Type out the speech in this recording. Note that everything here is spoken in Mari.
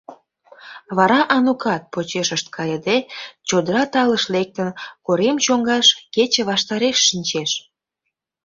Вара Анукат, почешышт кайыде, чодыра талыш лектын, корем чоҥгаш кече ваштареш шинчеш.